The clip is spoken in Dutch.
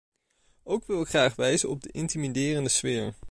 Ook wil ik graag wijzen op de intimiderende sfeer.